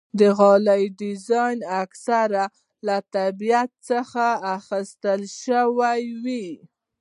د غالۍ ډیزاین اکثره له طبیعت اخیستل شوی وي.